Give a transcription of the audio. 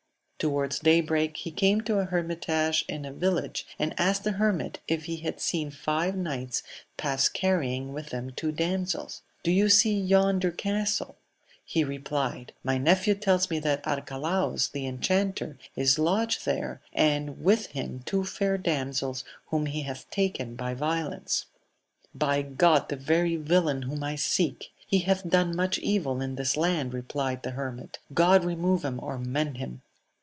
Towards day break he came to a hermitage in a valley, and asked the hermit if he had seen five knights pass carrying with them two damsels 1 Do you see yonder castle 1 he replied : my nephew tells me that Arcalaus the en chanter is lodged there, and with him two fair damsels whom he hath taken by violence. By God the very villain whom I seek !— He hath done much evil in this land, replied the hermit. God remove him or mend him